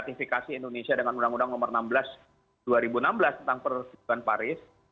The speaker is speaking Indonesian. ktifikasi indonesia dengan undang undang nomor enam belas dua ribu enam belas tentang persetujuan paris